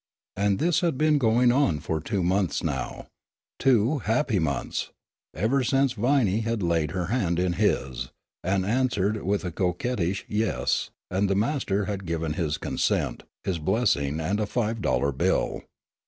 And this had been going on for two months now two happy months ever since Viney had laid her hand in his, had answered with a coquettish "Yes," and the master had given his consent, his blessing and a five dollar bill.